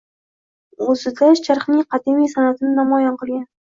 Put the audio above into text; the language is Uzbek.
O‘zida Sharqning qadimiy san’atini namoyon qilgan.